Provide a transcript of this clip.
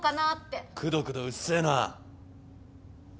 くどくどうっせえな。